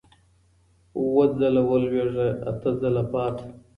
اووه ځله ولوېږه، اته ځله پاڅه.